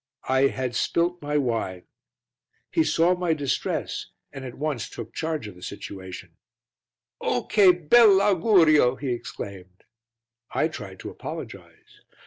I had spilt my wine. He saw my distress and at once took charge of the situation "Oh, che bel augurio!" he exclaimed. I tried to apologize.